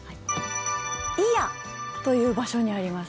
祖谷という場所にあります。